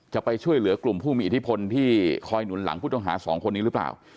จะไปช่วยเหลือกลุ่มผู้มีอิทธิพลที่คอยหนุนหลังผู้ต้องหาสองคนนี้หรือเปล่า